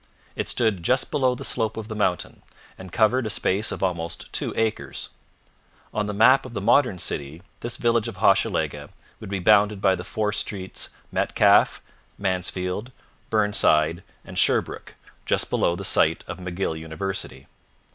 It stood just below the slope of the mountain, and covered a space of almost two acres. On the map of the modern city this village of Hochelaga would be bounded by the four streets, Metcalfe, Mansfield, Burnside, and Sherbrooke, just below the site of McGill University.